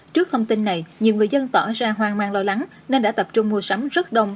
trước thông tin này nhiều người dân tỏ ra hoang mang lo lắng nên đã tập trung mua sắm rất đông